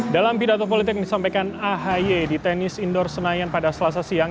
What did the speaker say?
dalam pidato politik yang disampaikan ahy di tenis indoor senayan pada selasa siang